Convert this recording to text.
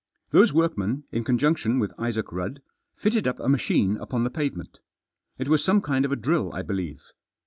Those workmen, in conjunction with Isaac Rudd, fitted up a machine upon the pavement. It was some kind of a drill I believe.